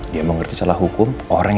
dia mengerti jalan hukum